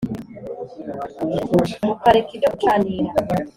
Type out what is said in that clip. ukareka ibyo gucanira